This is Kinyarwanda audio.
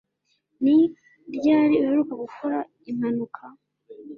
Ni ryari uheruka gukora impanuka